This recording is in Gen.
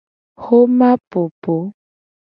Woma popo.